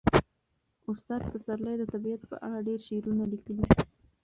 استاد پسرلي د طبیعت په اړه ډېر شعرونه لیکلي.